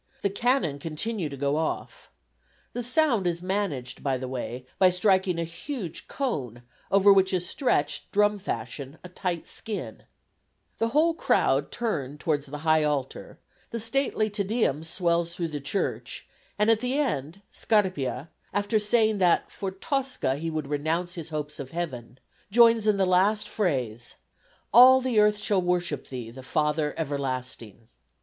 The cannon continue to go off the sound is managed, by the way, by striking a huge cone over which is stretched, drum fashion, a tight skin the whole crowd turn towards the high altar, the stately "Te Deum" swells through the church, and at the end, Scarpia, after saying that for Tosca he would renounce his hopes of heaven, joins in the last phrase: "All the earth shall worship Thee, the Father everlasting."